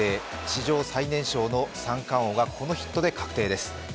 史上最年少の三冠王がこのヒットで確定です。